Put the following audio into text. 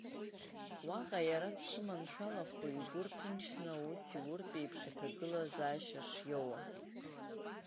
Уаҟа иара дшыманшәалахо, игәы рҭынчны аус иуртә еиԥш аҭагылазаашьа шиоуа…